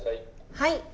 はい。